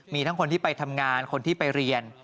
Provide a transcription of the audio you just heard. มีทั้งคนที่ไปทำงานคนที่ไปเรียน